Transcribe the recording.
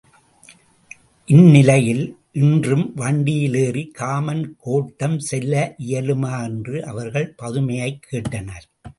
இந்நிலையில் இன்றும் வண்டியில் ஏறிக் காமன் கோட்டம் செல்ல இயலுமா? என்று அவர்கள் பதுமையைக் கேட்டனர்.